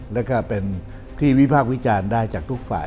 แล้วก็เป็นที่วิพากษ์วิจารณ์ได้จากทุกฝ่าย